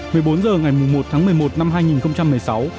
một mươi bốn h ngày một tháng một mươi một năm hai nghìn một mươi sáu